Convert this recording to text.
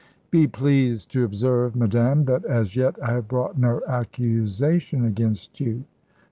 "Be pleased to observe, madame, that as yet I have brought no accusation against you."